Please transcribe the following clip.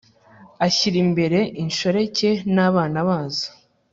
Ashyira imbere inshoreke n abana bazo